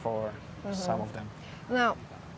near seperti yang kita tahu